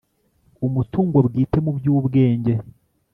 umutungo bwite mu by ubwenge